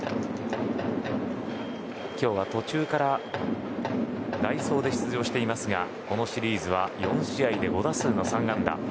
今日は途中から代走で出場していますがこのシリーズは４試合で５打数３安打。